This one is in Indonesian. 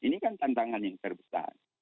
ini kan tantangan yang terbesar